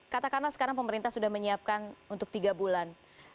katakanlah sekarang pemerintah sudah menyiapkan untuk tiga bulan